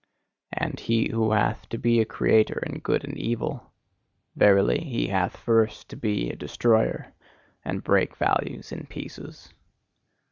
And he who hath to be a creator in good and evil verily, he hath first to be a destroyer, and break values in pieces.